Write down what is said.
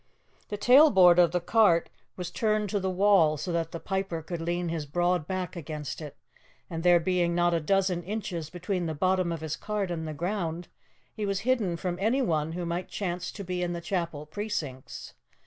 The tailboard of the cart was turned to the wall so that the piper could lean his broad back against it, and there being not a dozen inches between the bottom of his cart and the ground, he was hidden from anyone who might chance to be in the chapel precincts.